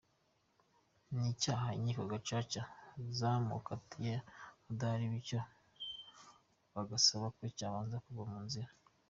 Ni icyaha inkiko gacaca zamukatiye adahari bityo bagasaba ko cyabanza kuva mu nzira.